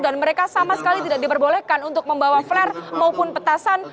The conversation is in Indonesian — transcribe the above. dan mereka sama sekali tidak diperbolehkan untuk membawa flare maupun petasan